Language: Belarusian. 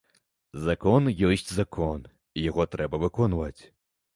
Закон ёсць закон, яго трэба выконваць.